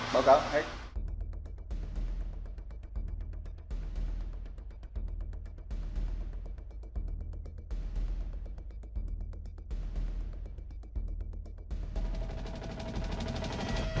báo cáo hết